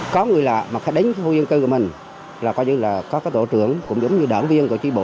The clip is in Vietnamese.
có người lạ mà khai đánh phòng dân cư của mình là có tổ trưởng cũng giống như đảng viên của trí bộ